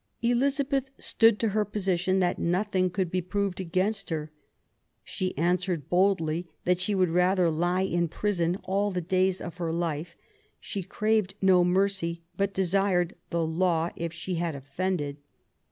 Elizabeth stood to her position that nothing could be proved against her. She answered boldly that she would rather lie in prison all the days of her life ; she craved no mercy, but desired the law if she had offended.